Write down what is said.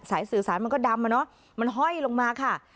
สื่อสารมันก็ดำอะเนาะมันห้อยลงมาค่ะ